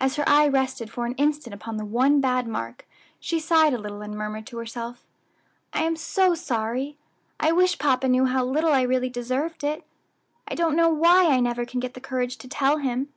As her eye rested for an instant upon the one bad mark, she sighed a little, and murmured to herself, "I am so sorry; I wish papa knew how little I really deserved it. I don't know why I never can get the courage to tell him."